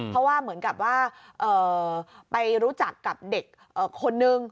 เพราะว่าเหมือนกับว่าไปรู้จักกับเด็กคนนึง